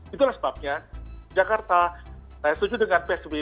itulah sebabnya jakarta saya setuju dengan psbb